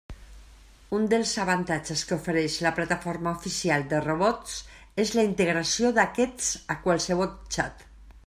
Un dels avantatges que ofereix la plataforma oficial de robots és la integració d'aquests a qualsevol xat.